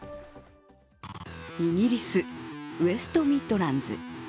イギリス・ウェストミッドランズ。